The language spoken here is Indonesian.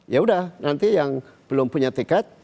ya udah nanti yang belum punya tiket